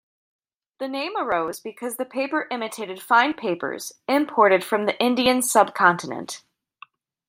The name arose because the paper imitated fine papers imported from the Indian subcontinent.